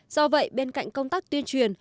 do vậy bên cạnh công tác tuyên truyền